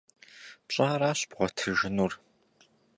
Пщӏаращ бгъуэтыжынур.